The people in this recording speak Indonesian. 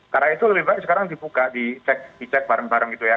karena itu lebih baik sekarang diperhatikan